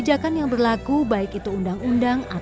tak hanya memberi ilmu pengetahuan dan pendampingan